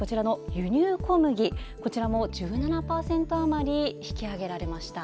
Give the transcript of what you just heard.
輸入小麦も１７％あまり引き上げられました。